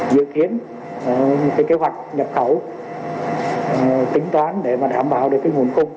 dự kiến kế hoạch nhập khẩu tính toán để đảm bảo nguồn cung